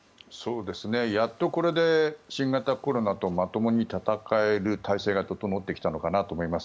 やっと、これで新型コロナとまともに闘える体制が整ってきたのかなと思います。